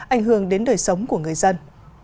ảnh hưởng đến đời sống của người dân